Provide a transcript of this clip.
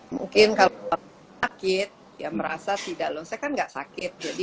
mungkin ketidak makir yang merasa tidak los aja nggak sakit jadi